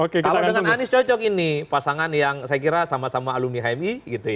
kalau dengan anies cocok ini pasangan yang saya kira sama sama alumni hmi